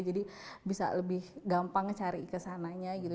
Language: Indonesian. jadi bisa lebih gampang cari kesananya gitu